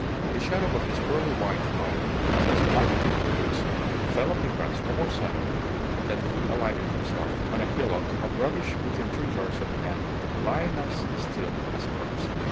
The shadow of his pearly white body, of his black tipped wings, fell on the grass no more silently than he alighted himself on a hillock of rubbish within three yards of that man, lying as still as a corpse.